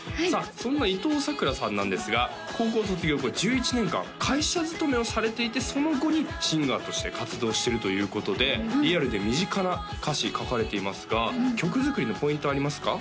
そんな伊藤さくらさんなんですが高校卒業後１１年間会社勤めをされていてその後にシンガーとして活動してるということでリアルで身近な歌詞書かれていますが曲作りのポイントありますか？